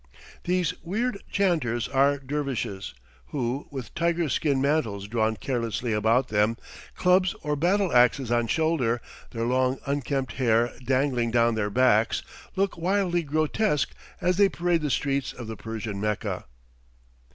These weird chanters are dervishes, who, with tiger skin mantles drawn carelessly about them, clubs or battle axes on shoulder, their long unkempt hair dangling down their backs, look wildly grotesque as they parade the streets of the Persian Mecca.